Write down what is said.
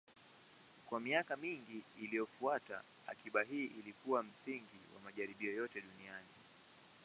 Kwa miaka mingi iliyofuata, akiba hii ilikuwa msingi wa majaribio yote duniani.